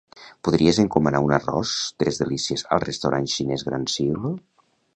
Podries encomanar un arròs tres delícies al restaurant xinès Gran Siglo?